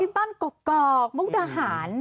อ๋อที่บ้านกรอกมุ่งดาหาร